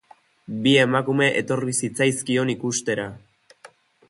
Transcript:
Bi emakume etorri zitzaizkion ikustera.